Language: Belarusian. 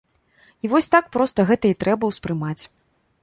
І вось так проста гэта і трэба ўспрымаць.